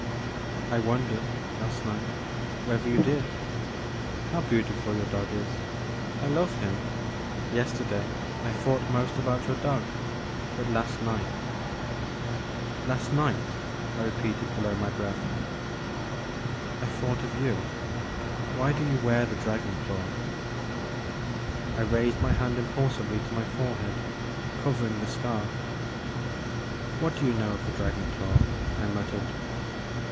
I wondered, last night, whether you did. How beautiful your dog is ; I love him. Yester day I thought most about your dog but last night 'Last night," I repeated below my breath. I thought of you. Why do you wear the dragon claw?" I raised my hand impulsively to my forehead, covering the scar. 50 The Maker of Moons. What do you know of the dragon daw ?" I muttered.